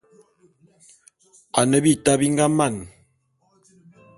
Ane bita bi nga man.